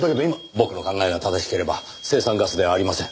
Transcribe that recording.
僕の考えが正しければ青酸ガスではありません。